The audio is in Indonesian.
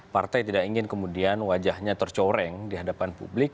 partai tidak ingin kemudian wajahnya tercoreng di hadapan publik